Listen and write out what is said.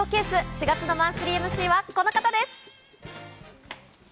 ４月のマンスリーＭＣはこの方です。